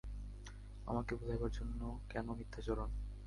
আমাকে ভুলাইবার জন্য কেন মিথ্যাচরণ।